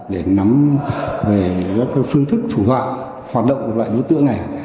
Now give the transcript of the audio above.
để nắm về các phương thức thủ đoạn hoạt động của loại đối tượng này